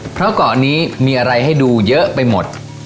เพราะเกาะนี้มีอะไรให้ดูเยอะไปหมด